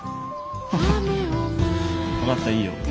ハハ分かったいいよ。